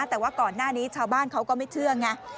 แต่ว่าก่อนหน้านี้ชาวบ้านเขาก็ไม่เชื่อไง